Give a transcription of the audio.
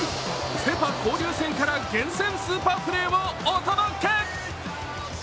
セ・パ交流戦から厳選スーパープレーをお届け。